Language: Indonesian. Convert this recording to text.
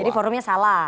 jadi forumnya salah